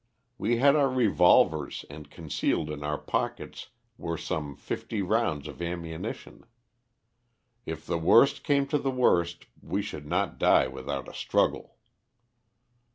We had our revolvers and concealed in our pockets were some fifty rounds of ammunition. If the worst came to the worst we should not die without a struggle.